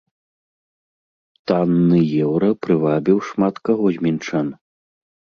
Танны еўра прывабіў шмат каго з мінчан.